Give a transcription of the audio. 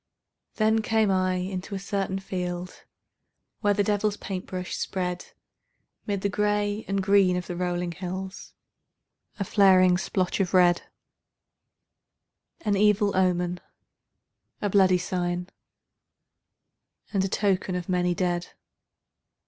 Then came I into a certain field Where the devil's paint brush spread 'Mid the gray and green of the rolling hills A flaring splotch of red, An evil omen, a bloody sign, And a token of many dead.